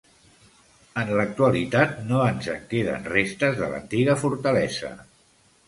En l'actualitat no ens en queden restes de l'antiga fortalesa.